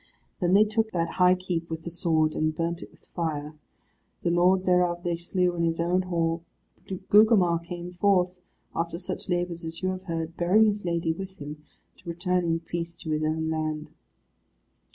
Then they took that high keep with the sword, and burnt it with fire. The lord thereof they slew in his own hall; but Gugemar came forth, after such labours as you have heard, bearing his lady with him, to return in peace to his own land.